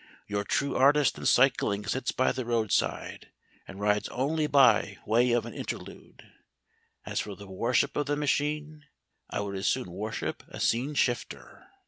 Your true artist in cycling sits by the roadside, and rides only by way of an interlude. As for the worship of the machine, I would as soon worship a scene shifter."